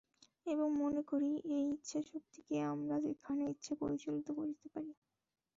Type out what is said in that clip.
এবং মনে করি, এই ইচ্ছাশক্তিকে আমরা যেখানে ইচ্ছা পরিচালিত করিতে পারি।